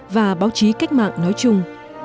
và báo chí cách mạng nói chung